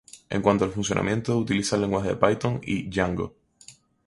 En cuanto al funcionamiento, utiliza el lenguaje Python y Django.